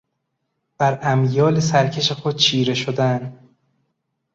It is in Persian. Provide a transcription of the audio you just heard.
بر امیال سرکش خود چیره شدن.